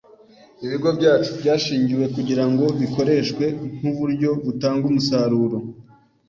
Ibigo byacu byashingiwe kugira ngo bikoreshwe nk’uburyo butanga umusaruro